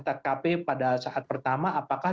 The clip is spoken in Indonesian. tkp pada saat pertama apakah